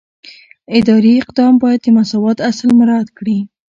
اداري اقدام باید د مساوات اصل مراعات کړي.